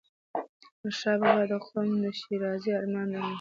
احمدشاه بابا د قوم د ښېرازی ارمان درلود.